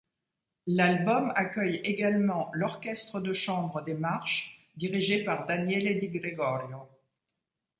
L'album accueille également l'Orchestre de chambre des Marches, dirigé par Daniele Di Gregorio.